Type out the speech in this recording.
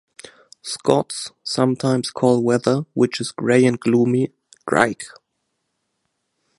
Scots sometimes call weather which is gray and gloomy "dreich".